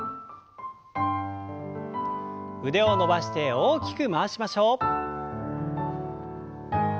腕を伸ばして大きく回しましょう。